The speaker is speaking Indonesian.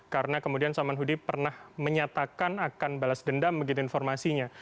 karena kemudian saman hudi pernah menyatakan akan balas dendam begitu informasinya